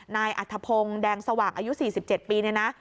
นายอัธพงศ์แดงสว่างอายุ๔๗ปีเนี่ยนะ